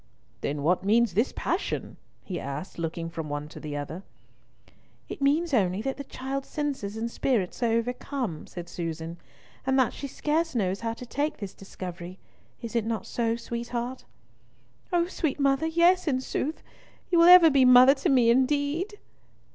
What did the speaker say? "Then what means this passion?" he asked, looking from one to the other. "It means only that the child's senses and spirits are overcome," said Susan, "and that she scarce knows how to take this discovery. Is it not so, sweetheart?" "Oh, sweet mother, yes in sooth. You will ever be mother to me indeed!"